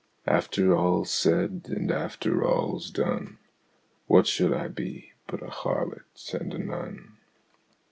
After all's said and after all's done, What should I be but a harlot and a nun?